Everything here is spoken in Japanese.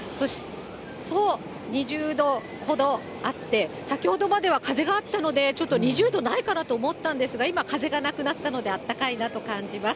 そう、２０度ほどあって、先ほどまでは風があったので、ちょっと２０度ないかなと思ったんですが、今、風がなくなったので、あったかいなと感じます。